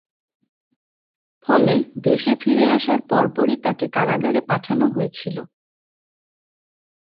ফলে, দেশে ফিরে আসার পরপরই তাকে কারাগারে পাঠানো হয়েছিল।